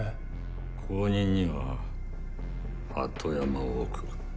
後任には鳩山を置く。